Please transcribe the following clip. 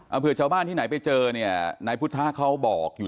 เอาเผื่อชาวบ้านที่ไหนไปเจอเนี่ยนายพุทธะเขาบอกอยู่